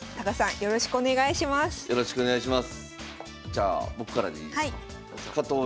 よろしくお願いします。